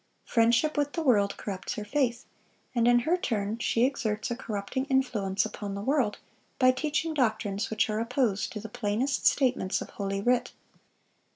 Friendship with the world corrupts her faith, and in her turn she exerts a corrupting influence upon the world by teaching doctrines which are opposed to the plainest statements of Holy Writ.